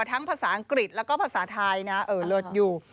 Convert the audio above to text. ทั้งภาษาอังกฤษแล้วก็ภาษาไทยนะเลิศอยู่